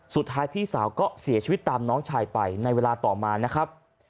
พี่สาวก็เสียชีวิตตามน้องชายไปในเวลาต่อมานะครับ